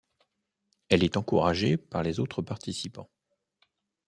Elle est encouragée par les autres participants.